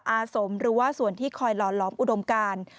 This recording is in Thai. อาสมหรือว่าส่วนที่คอยหล่อล้อมอุดมการ